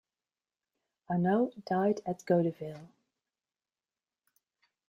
Arnault died at Goderville.